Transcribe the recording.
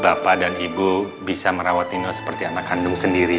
saya harap bapak dan ibu bisa merawat nino seperti anak kandung sendiri ya